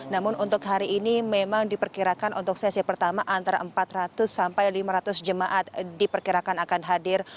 namun untuk hari ini memang diperkirakan untuk sesi pertama antara empat ratus sampai lima ratus jemaat diperkirakan akan hadir